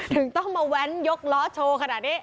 ถึงต้องมาแว้นยกล้อโชว์ขนาดนี้